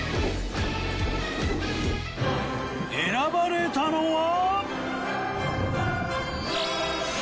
選ばれたのは。